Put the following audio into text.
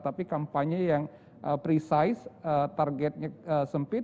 tapi kampanye yang precise targetnya sempit